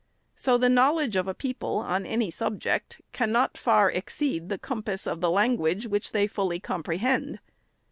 So the knowledge of a people on any subject cannot far exceed the compass of the language which they fully comprehend.